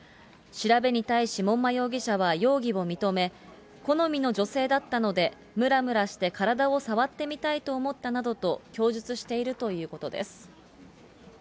調べに対し、門馬容疑者は容疑を認め、好みの女性だったので、むらむらして体を触ってみたいと思ったなどと供述しているということです。